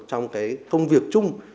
trong công việc chung